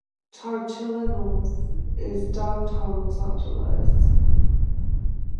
Chowchila is north of Downtown Los Angeles.